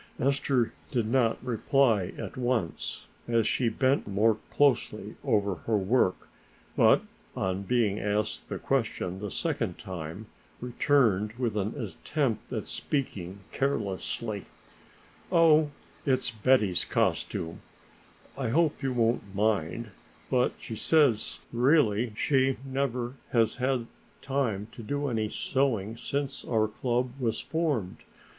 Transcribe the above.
Ester did not reply at once as she bent more closely over her work, but on being asked the question the second time returned with an attempt at speaking carelessly: "Oh, it's Betty's costume, I hope you won't mind, but she says really she never has had time to do any sewing since our club was formed.